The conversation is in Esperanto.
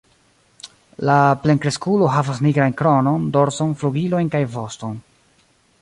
La plenkreskulo havas nigrajn kronon, dorson, flugilojn kaj voston.